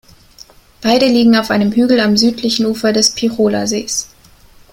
Beide liegen auf einem Hügel am südlichen Ufer des Pichhola-Sees.